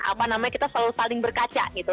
apa namanya kita selalu saling berkaca gitu